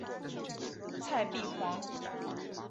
蔡璧煌。